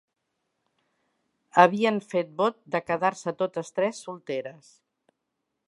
Havien fet vot de quedar-se totes tres solteres